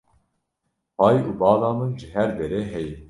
Hay û bala min ji her derê heye.